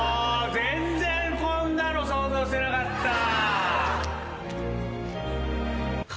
全然こんなの想像してなかった。